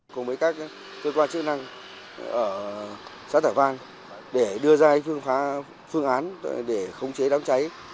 cùng với các cơ quan chức năng ở xã tả văn để đưa ra phương án để khống chế đám cháy